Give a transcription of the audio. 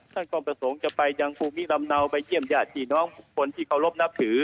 ท่านก็ประสงค์จะไปยังภูมิลำเนาไปเยี่ยมญาติพี่น้องคนที่เคารพนับถือ